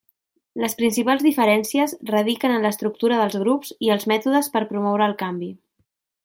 Les principals diferències radiquen en l'estructura dels grups i els mètodes per promoure el canvi.